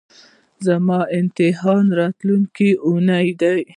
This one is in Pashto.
زما امتحان راتلونکۍ اونۍ ده